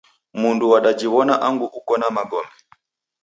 Mundu wadajiw'ona angu ukona magome.